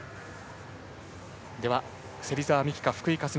では芹澤美希香、福井香澄